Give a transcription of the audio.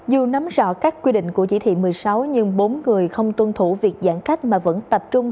dù nắm rõ các quy định của chỉ thị một mươi sáu nhưng bốn người không tuân thủ việc giãn cách mà vẫn tập trung